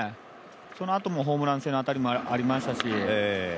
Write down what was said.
そのあともホームラン線当たりもありましたし。